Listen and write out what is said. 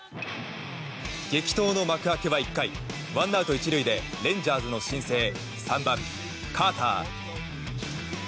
激闘の幕開けは１回ワンアウト１塁でレンジャーズの新星３番、カーター。